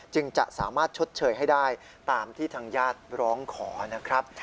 จึงจะสามารถชดเชยให้ได้ตามที่ทางญาติร้องขอนะครับ